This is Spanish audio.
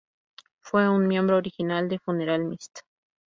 Fue un miembro original de Funeral Mist.